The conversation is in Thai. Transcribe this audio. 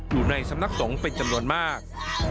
อยู่ในสำนักสงฆ์เป็นจำนวนมาก